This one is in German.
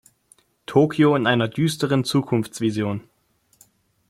Tokio in einer düsteren Zukunftsvision.